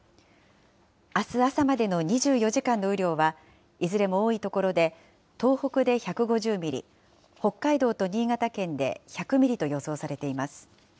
あす朝までの２４時間の雨量は、いずれも多い所で東北で１５０ミリ、北海道と新潟県で１００ミリと予想されています。